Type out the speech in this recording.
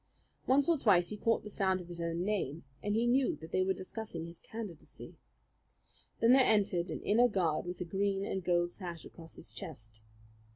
Once or twice he caught the sound of his own name, and he knew that they were discussing his candidacy. Then there entered an inner guard with a green and gold sash across his chest.